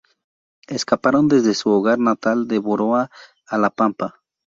Escaparon desde su hogar natal de Boroa a la Pampa.